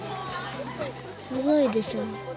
すごいでしょう。